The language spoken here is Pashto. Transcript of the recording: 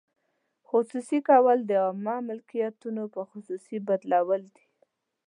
خصوصي کول د عامه ملکیتونو په خصوصي بدلول دي.